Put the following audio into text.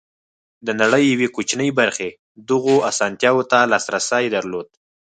د نړۍ یوې کوچنۍ برخې دغو اسانتیاوو ته لاسرسی درلود.